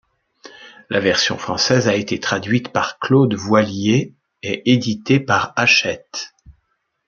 La version française a été traduite par Claude Voilier et éditée par Hachette.